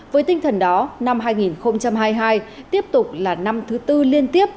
với tinh thần đó năm hai nghìn hai mươi hai tiếp tục là năm thứ tư liên tiếp